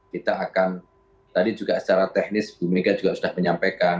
kita akan tadi juga secara teknis bu mega juga sudah menyampaikan